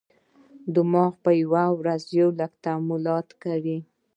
دماغ په ورځ یو لک تعاملات کوي.